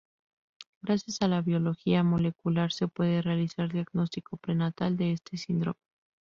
Gracias a la biología molecular se puede realizar diagnóstico prenatal de este síndrome.